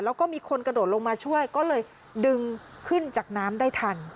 แล้วก็มีคนกระโดดลงมาช่วยก็เลยดึงขึ้นจากน้ำได้ทัน